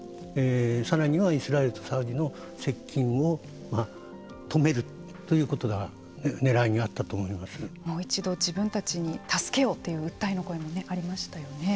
さらにはイスラエルとサウジの接近を止めるということがもう一度自分たちに助けをという訴えの声もありましたよね。